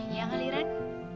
iya kali ren